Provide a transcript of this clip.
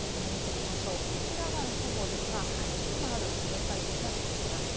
こちらが６号ですが、今ある熱帯低気圧がこちらです。